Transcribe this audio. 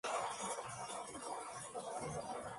Sus artículos son normalmente tanto históricos como políticos.